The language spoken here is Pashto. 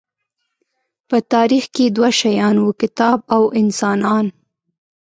په تاریخ کې دوه شیان وو، کتاب او انسانان.